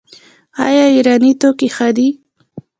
آیا ایراني توکي ښه دي؟